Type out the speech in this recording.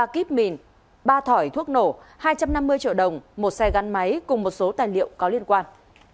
ba kíp mìn ba thỏi thuốc nổ hai trăm năm mươi triệu đồng một xe gắn máy cùng một số tài liệu có liên quan